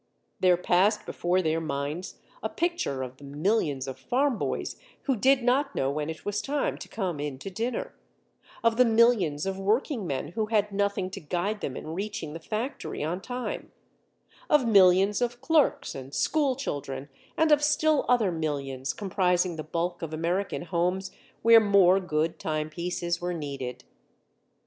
There passed before their minds a picture of the millions of farm boys who did not know when it was time to come into dinner, of the millions of working men who had nothing to guide them in reaching the factory on time, of millions of clerks and school children and of still other millions comprising the bulk of American homes where more good timepieces were needed.